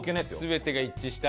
全てが一致した。